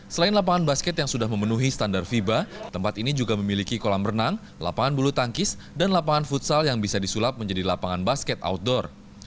selain lapangan basket yang sudah memenuhi standar fiba tempat ini juga memiliki kolam renang lapangan bulu tangkis dan lapangan futsal yang bisa disulap menjadi lapangan basket outdoor